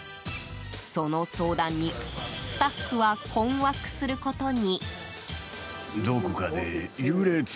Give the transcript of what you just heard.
その相談にスタッフは困惑することに。